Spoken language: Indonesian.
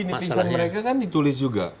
kan di nipisan mereka kan ditulis juga